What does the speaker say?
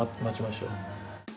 待ちましょう。